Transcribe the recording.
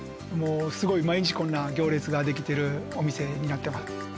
すごい毎日こんな行列ができてるお店になってます